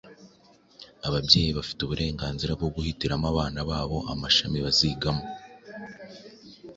ababyeyi bafite uburenganzira bwo guhitiramo abana babo amashami bazigamo.